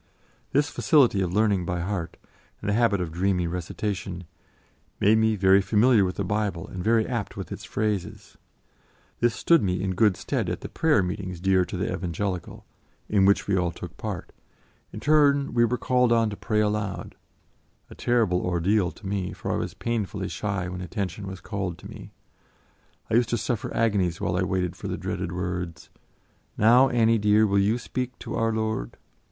This facility of learning by heart, and the habit of dreamy recitation, made me very familiar with the Bible and very apt with its phrases. This stood me in good stead at the prayer meetings dear to the Evangelical, in which we all took part; in turn we were called on to pray aloud a terrible ordeal to me, for I was painfully shy when attention was called to me; I used to suffer agonies while I waited for the dreaded words, "Now, Annie dear, will you speak to our Lord."